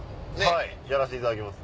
はいやらせていただきます。